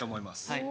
はい。